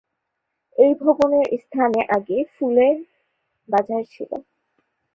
এই ভবনের স্থানে আগে ফুলের বাজার ছিল।